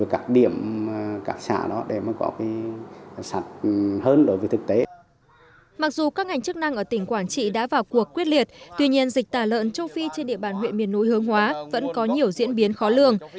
các ngành chức năng ở tỉnh quảng trị đã vào cuộc quyết liệt tuy nhiên dịch tả lợn châu phi trên địa bàn huyện miền núi hướng hóa vẫn có nhiều diễn biến khó lường